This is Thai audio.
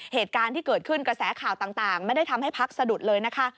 เหตุการณ์ที่เกิดขึ้นกระแสข่าวต่างไม่ได้ทำให้พักสะดุดเลยนะคะ